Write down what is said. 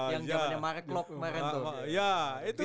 yang jamannya mark lock maren tuh